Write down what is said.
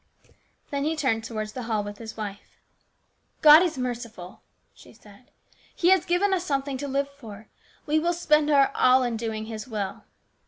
Then he turned towards the hall with his wife. " God is merciful," she said. " He has given us something to live for. We will spend our all in doing His will."